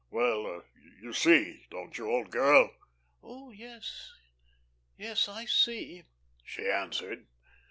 "Well, you see, don't you, old girl?" "Oh, yes, yes, I see," she answered.